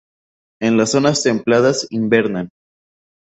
En las zonas templadas invernan.